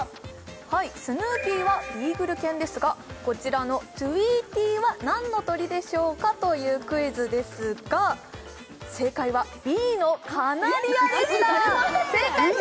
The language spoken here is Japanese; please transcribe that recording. はいスヌーピーはビーグル犬ですがこちらのトゥイーティーは何の鳥でしょうかというクイズですが正解はＢのカナリアでした正解者